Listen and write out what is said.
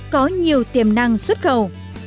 có nhiều tiềm năng xuất khẩu